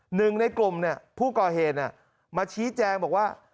หนึ่งในกลุ่มผู้ก่อเหตุมาชี้แจงบอกว่า